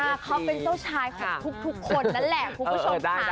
เขาเป็นเจ้าชายของทุกคนนั่นแหละคุณผู้ชมค่ะ